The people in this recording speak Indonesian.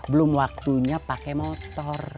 belum waktunya pakai motor